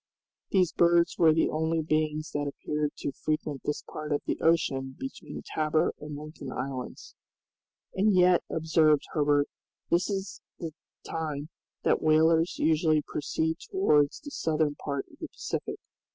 These birds were the only beings that appeared to frequent this part of the ocean between Tabor and Lincoln Islands. "And yet," observed Herbert, "this is the time that whalers usually proceed towards the southern part of the Pacific.